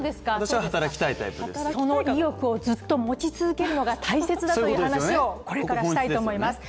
その意欲をずっと持ち続けるのが大切だという話をこれからしたいと思います。